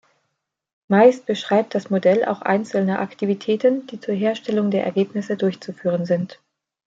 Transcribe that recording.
Meist beschreibt das Modell auch einzelne Aktivitäten, die zur Herstellung der Ergebnisse durchzuführen sind.